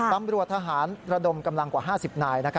ตำรวจทหารระดมกำลังกว่า๕๐นาย